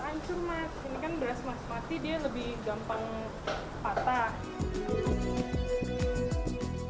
ini kan beras basmati dia lebih gampang patah